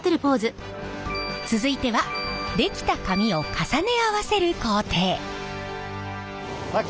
続いては出来た紙を重ね合わせる工程。